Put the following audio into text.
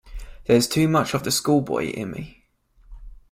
There's too much of the schoolboy in me.